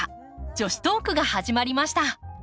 女子トークが始まりました。